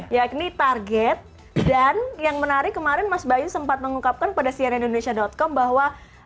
yakni target dan yang menarik kemarin mas bayu sempat mengungkapkan pada cnn indonesia com bahwa